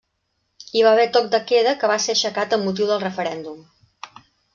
Hi va haver toc de queda que va ser aixecat amb motiu del referèndum.